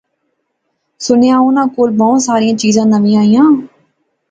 سُنیا اوناں کول بہوں ساریاں چیزاں نویاں ایاں